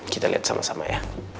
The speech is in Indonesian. kita lihat sama sama ya